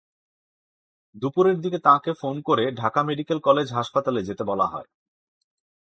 দুপুরের দিকে তাঁকে ফোন করে ঢাকা মেডিকেল কলেজ হাসপাতালে যেতে বলা হয়।